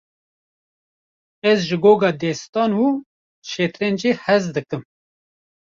Ez ji goga destan û şetrencê hez dikim.